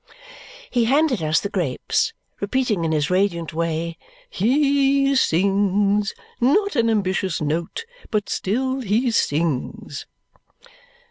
He handed us the grapes, repeating in his radiant way, "He sings! Not an ambitious note, but still he sings."